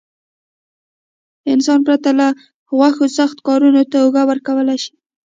انسان پرته له غوښو سختو کارونو ته اوږه ورکولای شي.